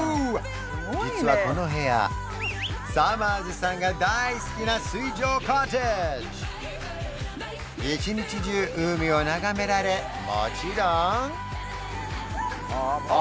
実はこの部屋さまぁずさんが大好きな水上コテージ一日中海を眺められもちろんああ